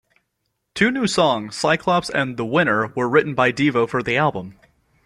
Two new songs, "Cyclops" and "The Winner", were written by Devo for the album.